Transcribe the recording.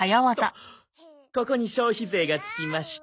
ここに消費税が付きまして。